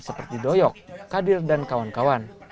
seperti doyok kadir dan kawan kawan